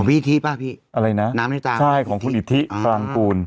ของพี่อิทธิป่ะพี่อะไรนะน้ำในตาของใช่ของคุณอิทธิคลังกูล